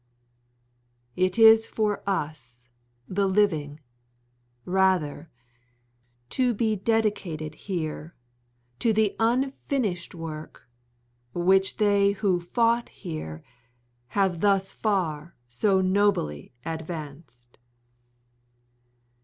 It is for us the living, rather, to be dedicated here to the unfinished work which they who fought here have thus far so nobly advanced.